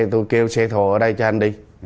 tôi kêu xe thồ ở đây cho anh đi